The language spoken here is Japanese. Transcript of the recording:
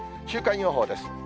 週間予報です。